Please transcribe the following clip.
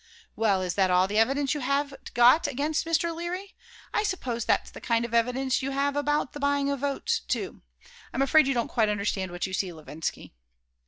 Well, is that all the evidence you have got against Mr. Leary? I suppose that's the kind of evidence you have about the buying of votes, too. I am afraid you don't quite understand what you see, Levinsky."